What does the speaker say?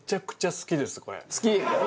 好き？